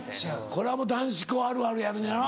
これはもう男子校あるあるやのやな。